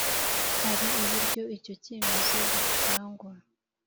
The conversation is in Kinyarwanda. hari uburyo icyo cyemezo gitangwa